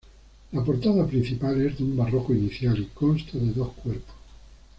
La portada principal es de un barroco inicial y consta de dos cuerpos.